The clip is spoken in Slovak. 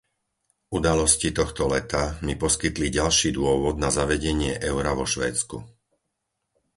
Udalosti tohto leta mi poskytli ďalší dôvod na zavedenie eura vo Švédsku.